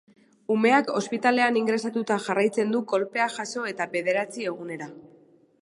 Umeak ospitalean ingresatuta jarraitzen du kolpeak jaso eta bederatzi egunera.